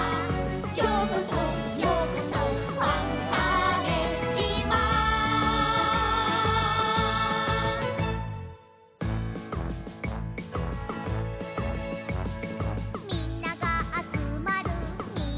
「ようこそようこそファンターネ島」「みんながあつまるみなとまち」